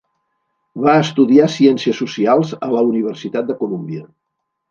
Va estudiar Ciències Socials a la Universitat de Colúmbia.